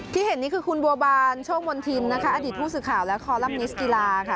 ที่เห็นนี้คือคุณบัวบานโชคมนธินนะคะอดีตภูตศึกขาวและคอร์ลับนิสติลาค่ะ